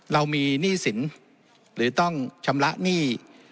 เรามีหนี้สินหรือต้องชำระหนี้